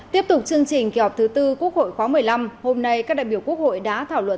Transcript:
tiếp tục chương trình kỳ họp thứ tư quốc hội khóa một mươi năm hôm nay các đại biểu quốc hội đã thảo luận